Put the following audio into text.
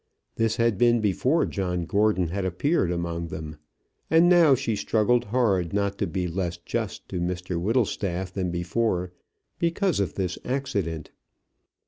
This had been before John Gordon had appeared among them; and now she struggled hard not to be less just to Mr Whittlestaff than before, because of this accident.